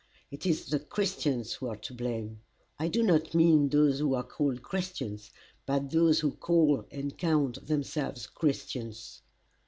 It is the Christians who are to blame. I do not mean those who are called Christians, but those who call and count themselves Christians.